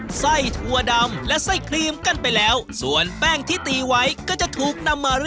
เมื่อช่วงที่แล้วเราได้เห็นทั้งการทำไส้หมูสับ